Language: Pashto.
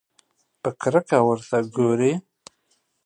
په کرکه ورته وګوري.